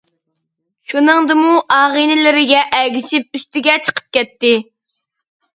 شۇنىڭدىمۇ ئاغىنىلىرىگە ئەگىشىپ ئۈستىگە چىقىپ كەتتى.